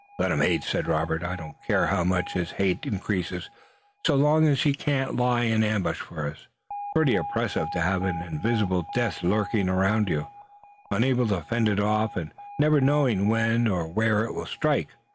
"Let him hate," said Robert. "I don't care how much his hate increases, so long as he can't lie in ambush for us. It's pretty oppressive to have an invisible death lurking around you, unable to fend it off, and never knowing when or where it will strike."